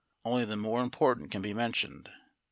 Only the more important can be mentioned.